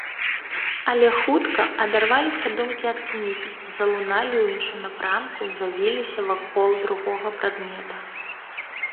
Але хутка адарваліся думкі ад кнігі, залуналі ў іншым напрамку, завіліся вакол другога прадмета.